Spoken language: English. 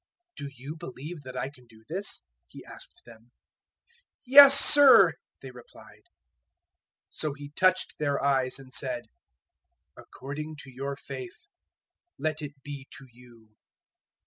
"Do you believe that I can do this?" He asked them. "Yes, Sir," they replied. 009:029 So He touched their eyes and said, "According to your faith let it be to you."